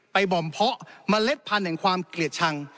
หม่อมเพาะเมล็ดพันธุ์แห่งความเกลียดชัง